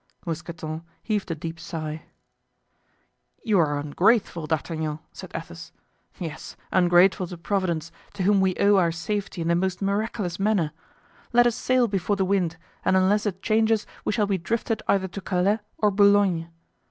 Mousqueton heaved a deep sigh. "You are ungrateful, D'Artagnan," said Athos; "yes, ungrateful to Providence, to whom we owe our safety in the most miraculous manner. Let us sail before the wind, and unless it changes we shall be drifted either to Calais or Boulogne.